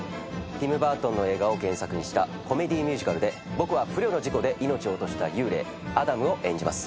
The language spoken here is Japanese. ティム・バートンの映画を原作にしたコメディーミュージカルで僕は不慮の事故で命を落とした幽霊アダムを演じます。